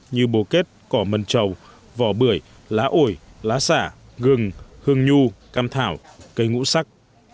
như bồ kết cỏ mần trầu vỏ bưởi lá ổi lá xả gừng hương nhu cam thảo cây ngũ sắc